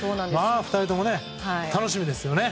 ２人とも楽しみですよね。